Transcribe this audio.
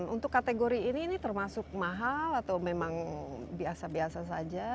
untuk kategori ini ini termasuk mahal atau memang biasa biasa saja